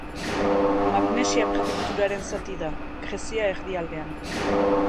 Magnesia prefekturaren zati da, Grezia erdialdean.